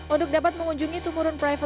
untuk dapat mengunjungi tumurun private